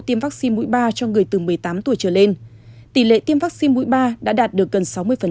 tiêm vaccine mũi ba cho người từ một mươi tám tuổi trở lên tỷ lệ tiêm vaccine mũi ba đã đạt được gần sáu mươi